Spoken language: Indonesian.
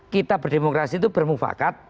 kita berdemokrasi itu bermufakat